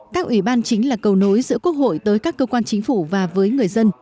các ủy ban chính là cầu nối giữa quốc hội tới các cơ quan chính phủ và với người dân